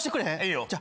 いいよ。